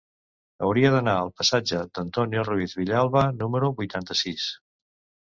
Hauria d'anar al passatge d'Antonio Ruiz Villalba número vuitanta-sis.